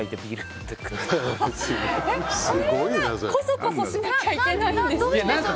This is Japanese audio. こそこそしなきゃいけないんですか？